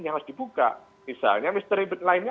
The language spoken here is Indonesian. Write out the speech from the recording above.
harus dibuka misalnya misteri lainnya